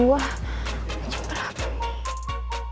wah jam berapa nih